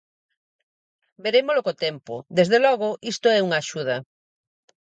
Verémolo co tempo, desde logo isto é unha axuda.